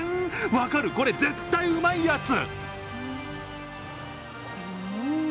分かる、これ絶対うまいやつ！